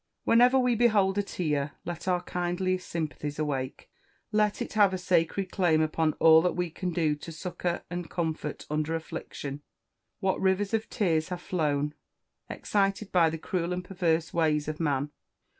Whenever we behold a tear, let our kindliest sympathies awake let it have a sacred claim upon all that we can do to succour and comfort under affliction. What rivers of tears have flown, excited by the cruel and perverse ways of man!